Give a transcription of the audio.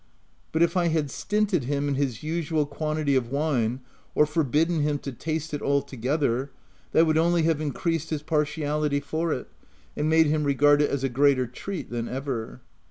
But if I had stinted him in his usual quantity of wine or forbidden him to taste it altogether, that would only have increased his partiality for it, and made him regard it as a greater treat than ever.